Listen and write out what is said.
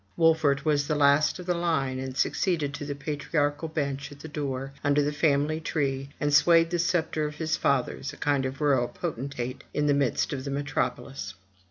Wolfert was the last of the line, and succeeded to the patriarchal bench at the door, under the family tree, and swayed the sceptre of his fathers, a kind of rural potentate in the midst of the metropolis.